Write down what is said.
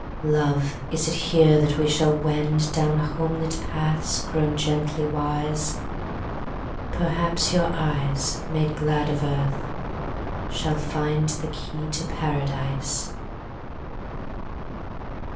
Love, is it here that we shall wend, Down homelit paths, grown gently wise? Perhaps your eyes, made glad of earth, Shall find the Key to Paradise.